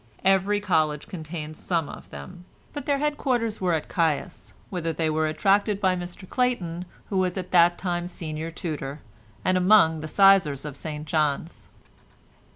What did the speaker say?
Every college contained some of them, but their headquarters were at Caius, whither they were attracted by Mr Clayton who was at that time senior tutor, and among the sizars of St John's.